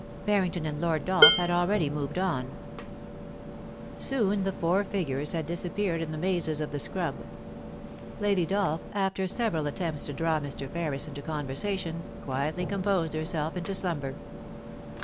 Barrington and Lord Dolph had already moved oa Soon the four figures had disappeared in the mazes of the scrub. Lady Dolph, after several attempts to draw Mr. Ferris into conversation, quietly composed herself into slumber.